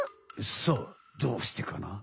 さあどうしてかな？